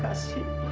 sudah pak sudah